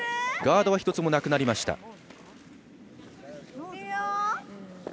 ガードは１つもなくなりました。